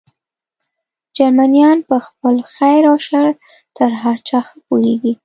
جرمنیان په خپل خیر او شر تر هر چا ښه پوهېږي.